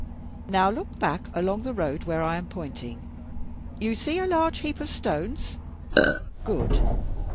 Now look back, along the road where I am pointing. You see a large heap of stones? Good.